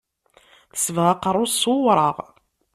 Tesbeɣ aqerru-s s uwraɣ.